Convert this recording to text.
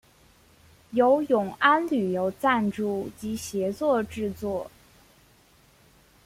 由永安旅游赞助及协助制作。